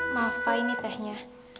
maaf pak ini tehnya